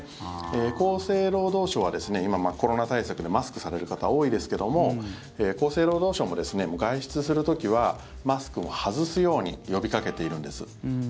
厚生労働省は今、コロナ対策でマスクされる方多いですけども厚生労働省も、外出する時はマスクも外すように呼びかけているんです。